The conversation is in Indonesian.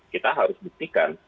ya kita harus buktikan